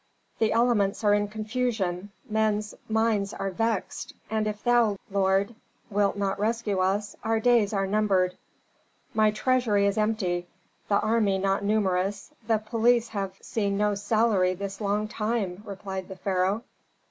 The elements are in confusion, men's minds are vexed, and if thou, lord, wilt not rescue us, our days are numbered." "My treasury is empty, the army not numerous, the police have seen no salary this long time," replied the pharaoh.